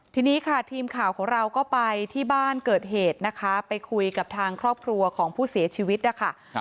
ทีนี้ค่ะทีมข่าวของเราก็ไปที่บ้านเกิดเหตุนะคะไปคุยกับทางครอบครัวของผู้เสียชีวิตนะคะ